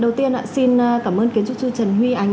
đầu tiên xin cảm ơn kiến trúc sư trần huy ánh